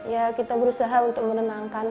ya kita berusaha untuk menenangkan